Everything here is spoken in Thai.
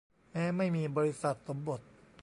แม้ไม่มีบริษัทสมบท